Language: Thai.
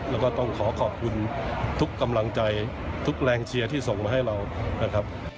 แล้วก็ต้องขอขอบคุณทุกกำลังใจทุกแรงเชียร์ที่ส่งมาให้เรานะครับ